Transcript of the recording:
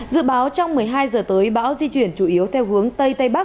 dự báo trong một mươi hai giờ tới bão di chuyển chủ yếu theo hướng tây tây bắc